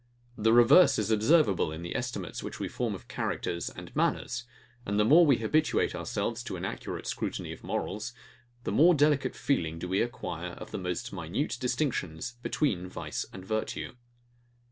The reverse is observable in the estimates which we form of characters and manners; and the more we habituate ourselves to an accurate scrutiny of morals, the more delicate feeling do we acquire of the most minute distinctions between vice and virtue.